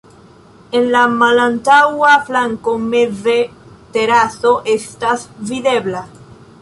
En la malantaŭa flanko meze teraso estas videbla.